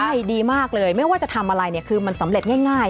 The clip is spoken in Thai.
ใช่ดีมากเลยไม่ว่าจะทำอะไรเนี่ยคือมันสำเร็จง่าย